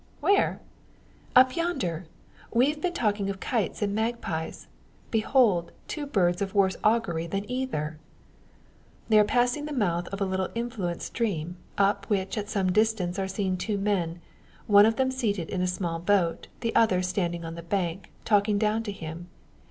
where?" "Up yonder! We've been talking of kites and magpies. Behold, two birds of worse augury than either!" They are passing the mouth of a little influent stream, up which at some distance are seen two men, one of them seated in a small boat, the other standing on the bank, talking down to him.